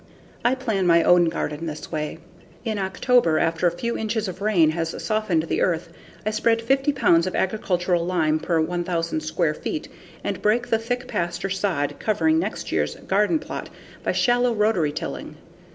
I plan my own garden this way. In October, after a few inches of rain has softened the earth, I spread 50 pounds of agricultural lime per 1,000 square feet and break the thick pasture sod covering next year's garden plot by shallow rotary tilling.